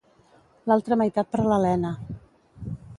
L'altra meitat per l'Elena